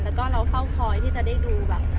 แล้วก็เราเฝ้าคอยที่จะได้ดูแบบ